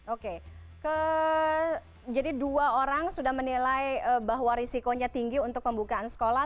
oke jadi dua orang sudah menilai bahwa risikonya tinggi untuk pembukaan sekolah